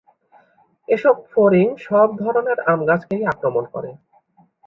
এসব ফড়িং সব ধরনের আম গাছকেই আক্রমণ করে।